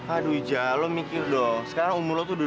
aduh ja lo mikir dong sekarang umur lo tuh dua ratus dua puluh lima